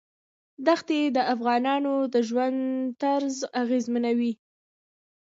دښتې د افغانانو د ژوند طرز اغېزمنوي.